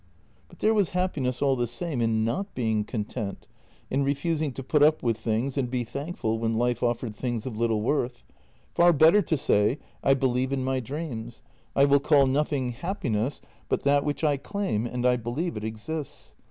But there was happiness all the same in not being content, in refusing to put up with things and be thankful when life offered things of little worth; far better to say: I believe in my dreams; I will call nothing happiness but that which I claim, and I believe it exists.